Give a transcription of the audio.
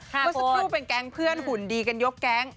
เมื่อสักครู่เป็นแก๊งเพื่อนหุ่นดีกันยกแก๊ง